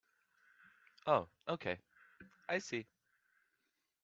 Oh okay, I see.